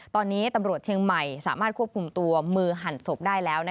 ตอนนี้ตำรวจเชียงใหม่สามารถควบคุมตัวมือหั่นศพได้แล้ว